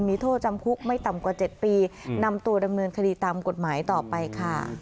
มีโทษจำคุกไม่ต่ำกว่า๗ปีนำตัวดำเนินคดีตามกฎหมายต่อไปค่ะ